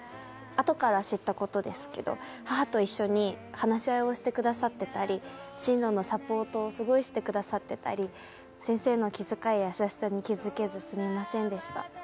あとから知ったことですけど、母と一緒に話し合いをしてくださっていたり進路のサポートをすごいしてくださってたり先生の気遣いや優しさに気づかず、すいませんでした。